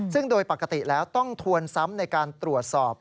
ซึ่งโดยปกติแล้วต้องทวนซ้ำในการตรวจสอบ